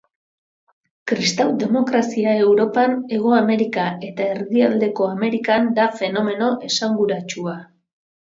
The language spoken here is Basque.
Kristau-demokrazia Europan, Hego Amerika eta Erdialdeko Amerikan da fenomeno esanguratsua.